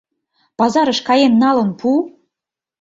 Пазарыш каен налын пу!